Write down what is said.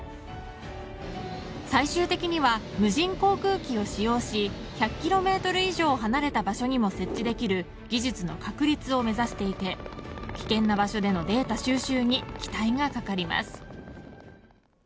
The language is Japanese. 最終的には無人航空機を使用し１００キロメートル以上離れた場所にも設置できる技術の確立を目指していて危険な場所でのデータ収集に期待がかかります。